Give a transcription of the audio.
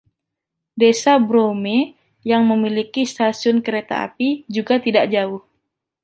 Desa Broome, yang memiliki stasiun kereta api, juga tidak jauh.